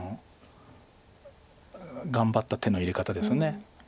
頑張った手の入れ方です。